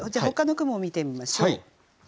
ほかの句も見てみましょう。